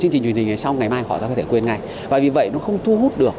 chương trình truyền hình ngày sau ngày mai họ có thể quên ngay và vì vậy nó không thu hút được